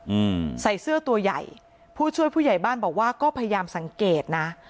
อืมใส่เสื้อตัวใหญ่ผู้ช่วยผู้ใหญ่บ้านบอกว่าก็พยายามสังเกตนะ